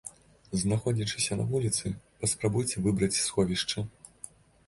Знаходзячыся на вуліцы, паспрабуйце выбраць сховішча.